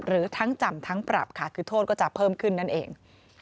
หรือทั้งจำทั้งปรับค่ะคือโทษก็จะเพิ่มขึ้นนั่นเอง